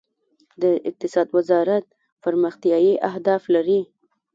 د اقتصاد وزارت پرمختیايي اهداف لري؟